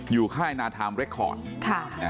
อยู่ค่ายนาทามเรคอร์ด